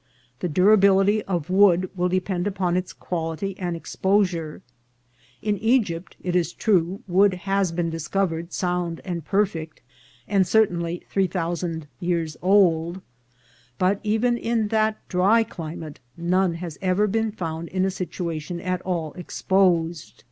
The durability of wood will depend upon its quality and exposure. In Egypt, it is true, wood has been dis covered sound and perfect, and certainly three thou sand years old ; but even in that dry climate none has ever been found in a situation at all exposed.